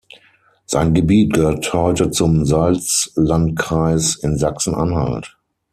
Sein Gebiet gehört heute zum Salzlandkreis in Sachsen-Anhalt.